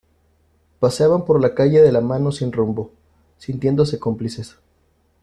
Paseaban por la calle de la mano sin rumbo, sintiéndose cómplices